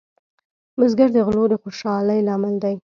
بزګر د غلو د خوشحالۍ لامل دی